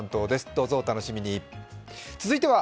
どうぞお楽しみに。